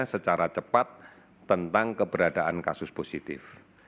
secara cepat tentang keberadaan kasus positif